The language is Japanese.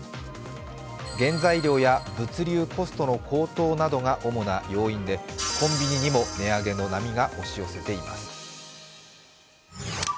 原材料や物流コストの高騰などが主な要因でコンビニにも値上げの波が押し寄せています。